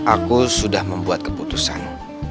aku sudah membuat keputusan